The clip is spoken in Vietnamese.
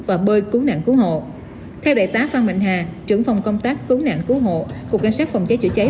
và bơi cú nạn cú hộ theo đại tá phan mạnh hà trưởng phòng công tác cú nạn cú hộ cục cảnh sát phòng cháy chữa cháy